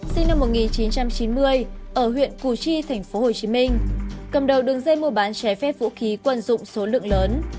sinh năm một nghìn chín trăm chín mươi ở huyện củ chi tp hcm cầm đầu đường dây mua bán trái phép vũ khí quân dụng số lượng lớn